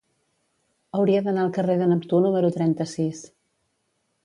Hauria d'anar al carrer de Neptú número trenta-sis.